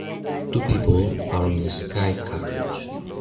Two people are in a sky carriage.